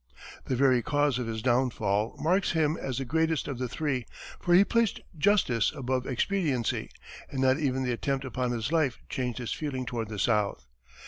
The very cause of his downfall marks him as the greatest of the three, for he placed justice above expediency, and not even the attempt upon his life changed his feeling toward the South.